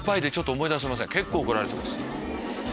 結構怒られてます。